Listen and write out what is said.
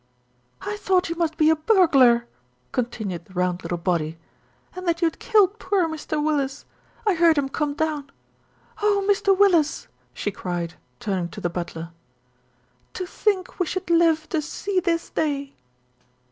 "I thought you must be a burglar!" continued the round little body, "and that you had killed poor Mr. Willis. I heard him come down. Oh, Mr. Willis!" she cried, turning to the butler, "to think that we should live to see this day."